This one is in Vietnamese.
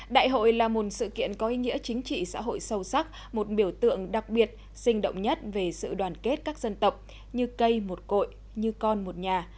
đại hội là một sự kiện có ý nghĩa chính trị xã hội sâu sắc một biểu tượng đặc biệt sinh động nhất về sự đoàn kết các dân tộc như cây một cội như con một nhà